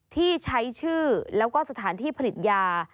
ที่ใช้ชื่อแล้วก็สถานที่ผลิตยา